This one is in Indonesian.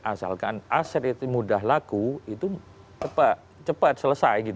asalkan aset itu mudah laku itu cepat selesai